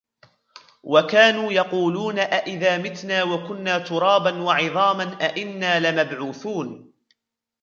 وَكَانُوا يَقُولُونَ أَئِذَا مِتْنَا وَكُنَّا تُرَابًا وَعِظَامًا أَإِنَّا لَمَبْعُوثُونَ